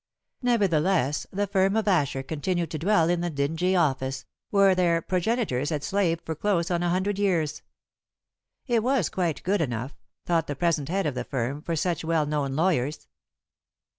Nevertheless the firm of Asher continued to dwell in the dingy office, where their progenitors had slaved for close on a hundred years. It was quite good enough, thought the present head of the firm, for such well known lawyers.